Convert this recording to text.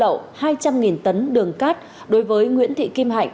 lậu hai trăm linh tấn đường cát đối với nguyễn thị kim hạnh